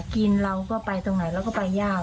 กี่คนหรือเปล่า